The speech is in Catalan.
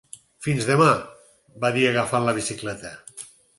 "Fins demà", va dir agafant la bicicleta.